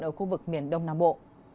ở khu vực miền đông nam bộ